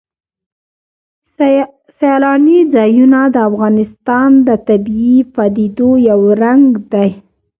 سیلانی ځایونه د افغانستان د طبیعي پدیدو یو رنګ دی.